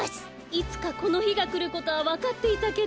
いつかこのひがくることはわかっていたけど。